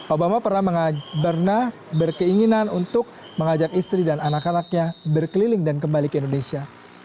obama pernah berkeinginan untuk mengajak istri dan anak anaknya berkeliling dan kembali ke indonesia